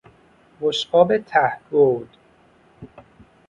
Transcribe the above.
بشقاب ته گود